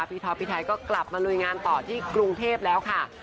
ท็อปพี่ไทยก็กลับมาลุยงานต่อที่กรุงเทพแล้วค่ะ